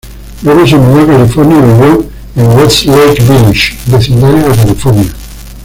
Luego se mudó a California y vivió en Westlake Village, vecindario de California.